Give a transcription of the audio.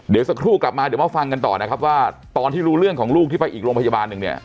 เดี๋ยวสักครู่กลับมาเดี๋ยวมาฟังกันต่อนะครับว่าตอนที่รู้เรื่องของลูกที่ไปอีกโรงพยาบาลหนึ่งเนี่ย